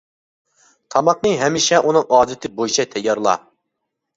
تاماقنى ھەمىشە ئۇنىڭ ئادىتى بويىچە تەييارلا.